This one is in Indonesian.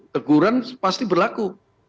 teguran pasti berlaku